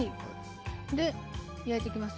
で、焼いていきます。